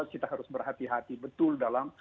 kita harus berhati hati betul dalam